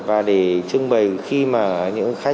và để trưng bày khi mà